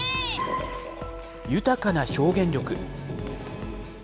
豊かな表現力。